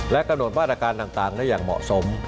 และกระหนดบ้านการณ์ต่างได้อย่างเหมาะสม